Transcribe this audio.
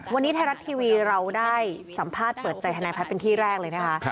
วันนี้ไทยรัฐทีวีเราได้สัมภาษณ์เปิดใจทนายพัฒน์เป็นที่แรกเลยนะคะ